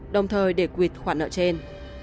đồng thời để quyệt khoản nợ trên